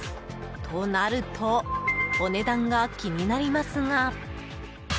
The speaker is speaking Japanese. となるとお値段が気になりますが。